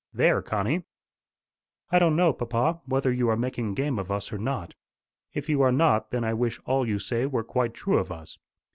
There, Connie!" "I don't know, papa, whether you are making game of us or not. If you are not, then I wish all you say were quite true of us.